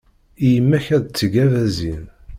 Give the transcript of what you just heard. I yemma-k ad d-tegg abazin.